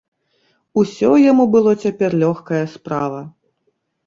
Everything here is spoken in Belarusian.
Усё яму было цяпер лёгкая справа.